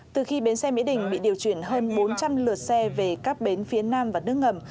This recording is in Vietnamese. từ khi bến xe mỹ đình bị điều chuyển hơn bốn trăm linh lượt xe về các bến phía nam và nước ngầm